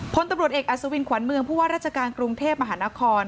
พลตำรวจเอกอัศวินขวัญเมืองผู้ว่าราชการกรุงเทพมหานคร